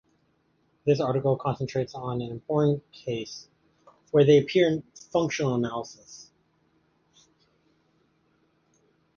This article concentrates on an important case, where they appear in functional analysis.